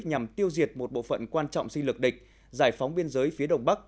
nhằm tiêu diệt một bộ phận quan trọng sinh lược địch giải phóng biên giới phía đồng bắc